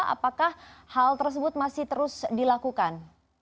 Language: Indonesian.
apakah hal tersebut masih terus dilakukan